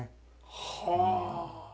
はあ。